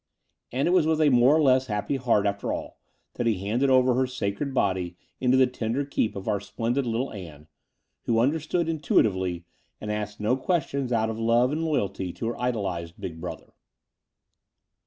And it was with a more or less happy heart, after all, that he handed over her sacred body into the tender keep of our splendid little Ann, who under stood intuitively, and asked no questions out of love and loyalty to her idolized big brother.